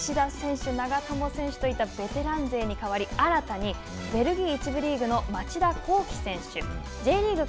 吉田選手、長友選手といった、ベテラン勢にかわり、新たにベルギー１部リーグの町田浩樹選手。